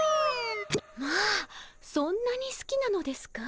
まあそんなにすきなのですか。